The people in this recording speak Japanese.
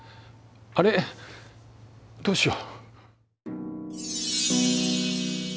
あれどうしよう。